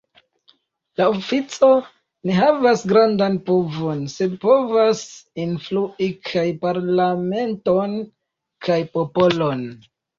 La ofico ne havas grandan povon, sed povas influi kaj parlamenton kaj popolon.